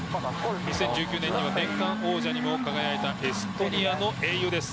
２０１９年の年間王者にも輝いたエストニアの英雄です。